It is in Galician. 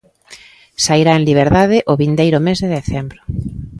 Sairá en liberdade o vindeiro mes de decembro.